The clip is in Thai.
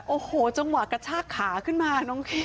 โอ้โหจังหวะกระชากขาขึ้นมาน้องคิ้ว